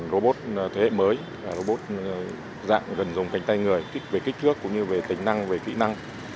robot thế hệ mới robot dạng gần dùng cánh tay người kích thước tính năng kỹ năng